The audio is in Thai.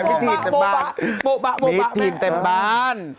มีที่อิทธิ์เต็มบ้าน